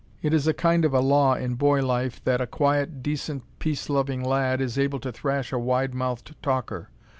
It is a kind of a law in boy life that a quiet, decent, peace loving lad is able to thrash a wide mouthed talker.